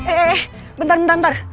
eh eh eh bentar bentar